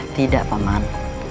tidak pak man